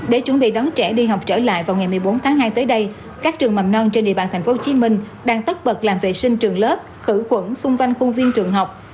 để chuẩn bị đón trẻ đi học trở lại vào ngày một mươi bốn tháng hai tới đây các trường mầm non trên địa bàn tp hcm đang tất bật làm vệ sinh trường lớp khử khuẩn xung quanh khuôn viên trường học